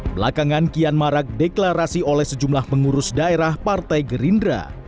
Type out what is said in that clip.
belakangan kian marak deklarasi oleh sejumlah pengurus daerah partai gerindra